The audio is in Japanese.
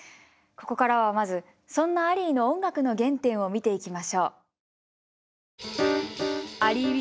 ここからはまずそんなアリーの音楽の原点を見ていきましょう。